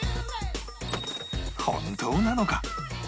本当なのか？